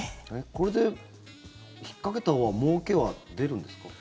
これで引っかけたほうはもうけは出るんですか？